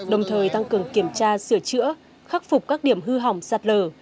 đồng thời tăng cường kiểm tra sửa chữa khắc phục các điểm hư hỏng sạt lở